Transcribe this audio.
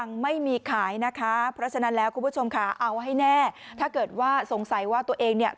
นั่นแล้วคุณผู้ชมค่ะเอาให้แน่ถ้าเกิดว่าสงสัยว่าตัวเองเนี้ย